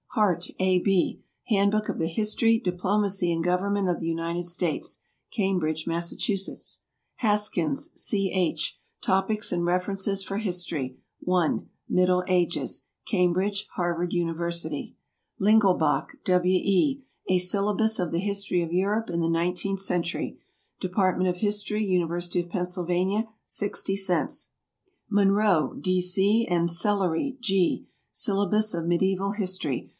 HART, A. B. "Handbook of the History, Diplomacy, and Government of the United States." Cambridge, Mass. HASKINS, C. H. "Topics and References for History, I (Middle Ages)." Cambridge, Harvard University. LINGELBACH, W. E. "A Syllabus of the History of Europe in the Nineteenth Century." Department of History, University of Pennsylvania, 60 cents. MUNRO, D. C., and SELLERY, G. "Syllabus of Medieval History."